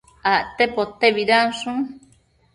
acte potebidanshun